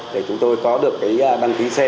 để chúng tôi có được cái đăng ký xe